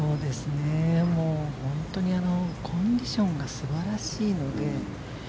本当にコンディションが素晴らしいので。